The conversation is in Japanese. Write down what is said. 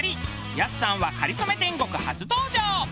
やすさんは『かりそめ天国』初登場。